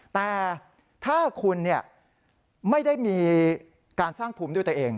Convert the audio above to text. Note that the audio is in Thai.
แต่ถ้าคุณไม่ได้มีการสร้างภูมิด้วยตัวเอง